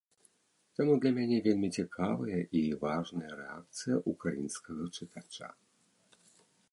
Таму для мяне вельмі цікавая і важная рэакцыя ўкраінскага чытача.